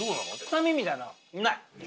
臭みみたいなのない！